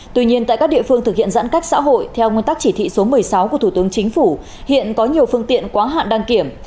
tuy nhiên tại các địa phương thực hiện giãn cách xã hội theo nguyên tắc chỉ thị số một mươi sáu của thủ tướng chính phủ hiện có nhiều phương tiện quá hạn đăng kiểm